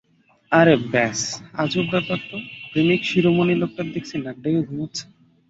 আরে ব্যস, আজব ব্যাপার তো, প্রেমিকশিরোমণি লোকটা দেখছি নাক ডেকে ঘুমাচ্ছে।